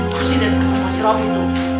masih denger pas si robby tuh